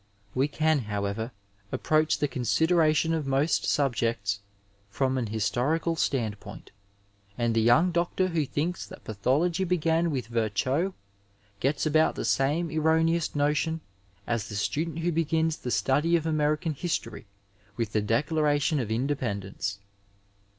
We can, howevei, approach the consideration of most subjects from an historical standpoint, and the yonng doctor m^o thinks that pathology began with Virchow gets about the same erroneous notion as the student who b^;i]is the study of American history with the Declaration of Inde pendence.